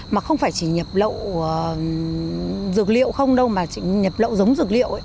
mà không phải chỉ nhập lậu dược liệu không đâu mà chỉ nhập lậu giống dược liệu ấy